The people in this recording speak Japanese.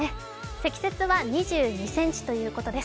積雪は２２ｃｍということです。